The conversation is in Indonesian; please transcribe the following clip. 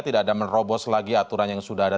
tidak ada menerobos lagi aturan yang sudah ada